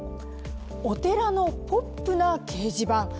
お寺のポップな掲示板